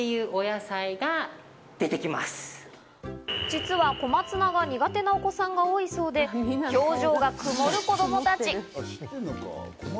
実は小松菜が苦手なお子さんが多いそうで、表情が曇る子供たち。